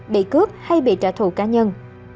bị cướp hay bị trả thù cá nhân